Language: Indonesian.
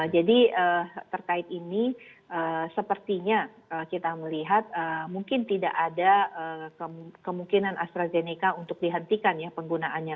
jadi terkait ini sepertinya kita melihat mungkin tidak ada kemungkinan astrazeneca untuk dihentikan penggunaannya